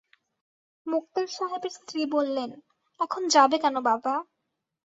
মোক্তার সাহেবের স্ত্রী বললেন, এখন যাবে কেন বাবা?